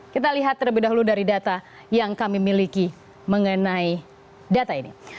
kita lihat terlebih dahulu dari data yang kami miliki mengenai data ini